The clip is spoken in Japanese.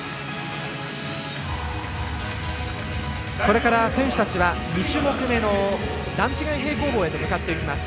これから選手たちは２種目めの段違い平行棒へと向かっていきます。